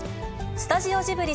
スタジオジブリ